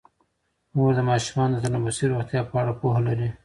مور د ماشومانو د تنفسي روغتیا په اړه پوهه لري.